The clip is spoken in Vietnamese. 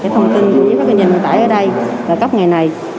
thông tin giấy phép kinh doanh vận tải ở đây là cấp ngày này